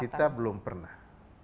kita belum pernah